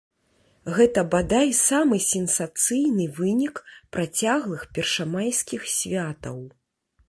Гэта, бадай, самы сенсацыйны вынік працяглых першамайскіх святаў.